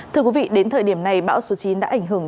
thưa quý vị đến thời điểm này bão số chín đã ảnh hưởng